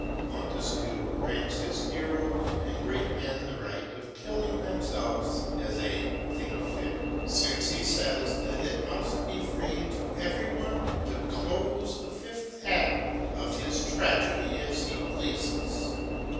Montesquieu grants his heroes and great men the mght of killing themselves as they think fit, since he says that it must be free to every one to close the fifth act of his tragedy as he pleases.